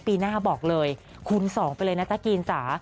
ปีหน้าบอกเลยคุณส่องไปเลยนะจ๊ะกรีนจ๊ะ